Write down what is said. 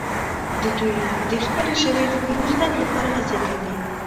دوی د خپلې ژبې د پرمختګ لپاره هڅې کوي.